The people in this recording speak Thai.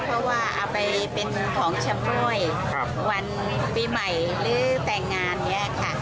เพราะว่าเอาไปเป็นของเฉพาะวันปีใหม่หรือแปงงานอย่างนี้